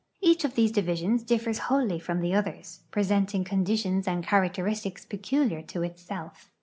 Each of these divisions differs wholly from the others, presenting con ditions and characteristics peculiar to itself.